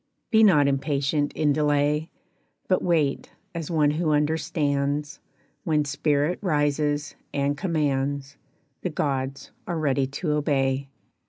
Be not impatient in delay, But wait as one who understands; When spirit rises and commands, The gods are ready to obey.